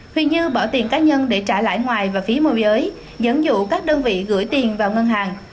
huỳnh như bỏ tiền cá nhân để trả lãi ngoài và phí môi giới dẫn dụ các đơn vị gửi tiền vào ngân hàng